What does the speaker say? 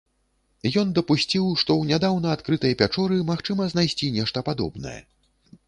Ён дапусціў, што ў нядаўна адкрытай пячоры магчыма знайсці нешта падобнае.